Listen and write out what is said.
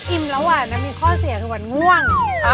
อิ่มแล้วอ่ะมันมีข้อเสียที่เป็นวันง่วง